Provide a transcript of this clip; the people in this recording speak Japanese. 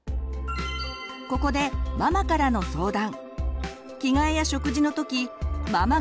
ここでママからの相談。